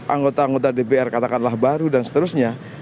anggota anggota dpr katakanlah baru dan seterusnya